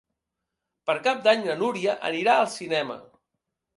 Per Cap d'Any na Núria anirà al cinema.